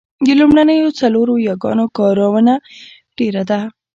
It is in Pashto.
د لومړنیو څلورو یاګانو کارونه ډېره ده